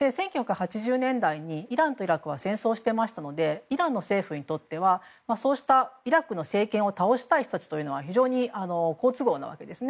１９８０年代にイランとイラクは戦争していましたのでイランの政府にとってそうしたイラクの政権を倒したい人たちは非常に好都合なんです。